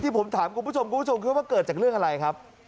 ผมถามคุณผู้ชมคุณผู้ชมคิดว่าเกิดจากเรื่องอะไรครับ